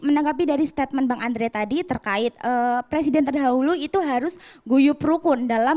menanggapi dari statement bang andre tadi terkait presiden terdahulu itu harus guyup rukun dalam